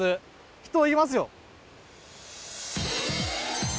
人いますよ！